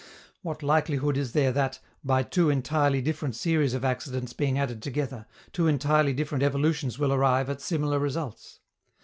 What likelihood is there that, by two entirely different series of accidents being added together, two entirely different evolutions will arrive at similar results?